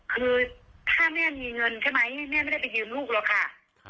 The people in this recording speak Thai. คือถ้าแม่มีเงินใช่ไหมแม่ไม่ได้ไปยืมลูกหรอกค่ะ